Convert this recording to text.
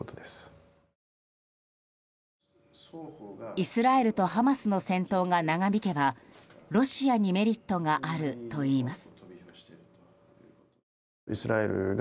イスラエルとハマスの戦闘が長引けばロシアにメリットがあるといいます。